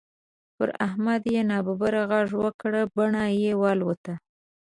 پر احمد چې يې ناببره غږ وکړ؛ بڼه يې والوته.